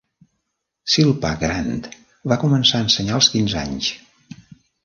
Zilpah Grant va començar a ensenyar als quinze anys.